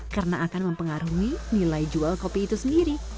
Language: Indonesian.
karena akan mempengaruhi nilai jual kopi itu sendiri